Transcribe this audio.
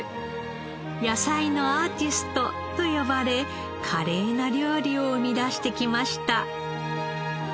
野菜のアーティストと呼ばれ華麗な料理を生み出してきました。